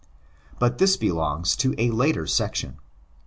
But this belongs to a later section.